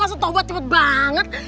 masa tobat cepet banget